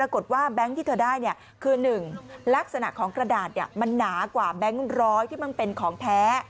คือหนึ่งลักษณะของกระดาษเนี่ยมันหนากว่าแบงค์ร้อยที่มันเป็นของแท้